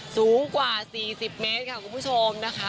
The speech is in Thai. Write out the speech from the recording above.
สูงกว่า๔๐เมตรค่ะคุณผู้ชมนะคะ